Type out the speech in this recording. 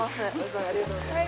ありがとうございます。